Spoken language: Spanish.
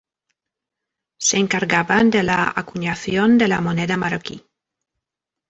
Se encargaban de la acuñación de la moneda marroquí.